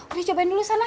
udah cobain dulu sana